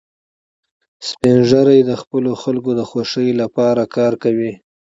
سپین ږیری د خپلو خلکو د خوښۍ لپاره کار کوي